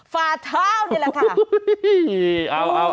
ฝาเท้านี่แหละค่ะ